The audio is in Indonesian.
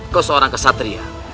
kau seorang kesatria